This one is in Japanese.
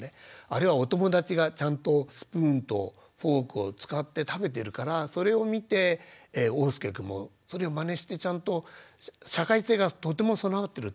あれはお友達がちゃんとスプーンとフォークを使って食べてるからそれを見ておうすけくんもそれをまねしてちゃんと社会性がとても備わってると思うんです。